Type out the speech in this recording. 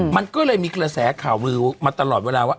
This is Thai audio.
มันก็เลยมีกระแสข่าวลือมาตลอดเวลาว่า